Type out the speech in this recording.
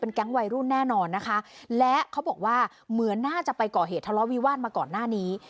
แก๊งวัยรุ่นแน่นอนนะคะและเขาบอกว่าเหมือนน่าจะไปก่อเหตุทะเลาะวิวาสมาก่อนหน้านี้